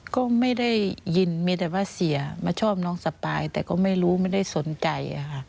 ก็ไม่ได้ยินมีแต่ว่าเสียมาชอบน้องสปายแต่ก็ไม่รู้ไม่ได้สนใจ